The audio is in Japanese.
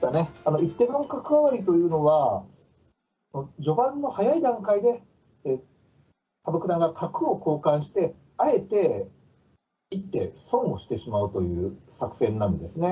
一手損角換わりというのは、序盤の早い段階で、羽生九段が角を交換して、あえて一手損をしてしまうという作戦なんですね。